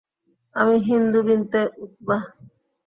আমি Hind bint Utba.